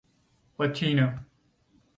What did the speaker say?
Latino.